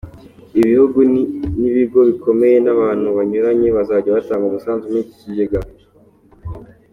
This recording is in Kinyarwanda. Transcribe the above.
Ibihugu n’ibigo bikomeye n’abantu banyuranye bazajya batanga umusanzu muri iki kigega.